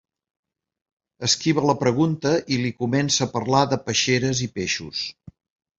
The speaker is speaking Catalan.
Esquiva la pregunta i li comença a parlar de peixeres i peixos.